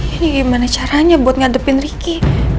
ini gimana caranya buat ngadepin ricky